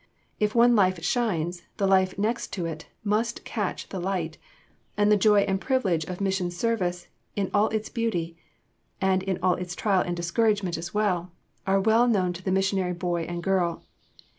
"If one life shines, the life next to it must catch the light," and the joy and privilege of mission service in all its beauty, and in all its trial and discouragement as well, are well known to the missionary boy and girl.